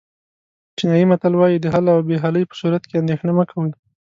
چینایي متل وایي د حل او بې حلۍ په صورت کې اندېښنه مه کوئ.